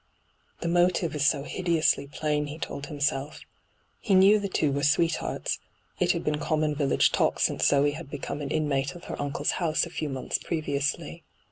'The motive is so hideously plain,' he told himself. He knew the two were sweethearts — it had been common village talk since Zoe had become an inmate of her uncle's house a few months previously.